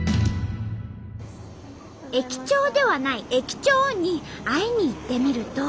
駅長ではない駅長に会いに行ってみると。